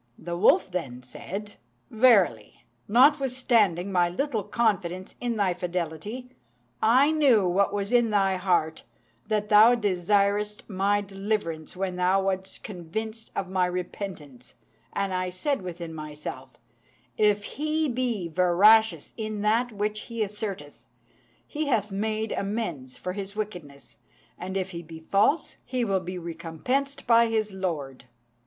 The wolf then said, "Verily, notwithstanding my little confidence in thy fidelity, I knew what was in thy heart, that thou desiredst my deliverance when thou wast convinced of my repentance; and I said within myself, 'If he be veracious in that which he asserteth, he hath made amends for his wickedness; and if he be false, he will be recompensed by his Lord.'